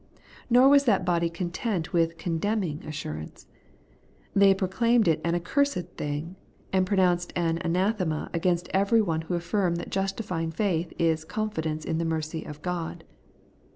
Nor was that body content with condemning assur ance ; they proclaimed it an accursed thing, and pronounced an anathema against every one who affirmed that justifying faith is ' confidence in the mercy of God.'